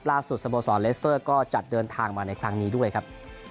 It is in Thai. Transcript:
สโมสรเลสเตอร์ก็จัดเดินทางมาในครั้งนี้ด้วยครับ